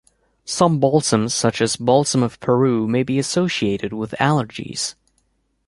Some balsams, such as Balsam of Peru, may be associated with allergies.